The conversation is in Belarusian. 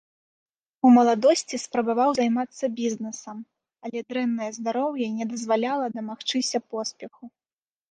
У маладосці спрабаваў займацца бізнесам, але дрэннае здароўе не дазваляла дамагчыся поспеху.